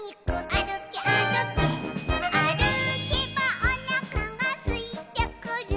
「あるけばおなかがすいてくる」